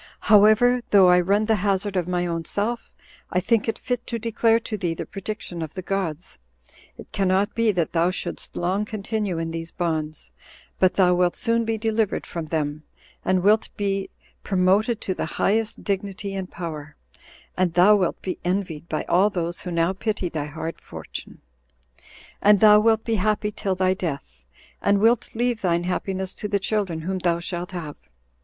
However, though I run the hazard of my own self, I think it fit to declare to thee the prediction of the gods. It cannot be that thou shouldst long continue in these bonds; but thou wilt soon be delivered from them, and wilt be promoted to the highest dignity and power, and thou wilt be envied by all those who now pity thy hard fortune; and thou wilt be happy till thy death, and wilt leave thine happiness to the children whom thou shalt have.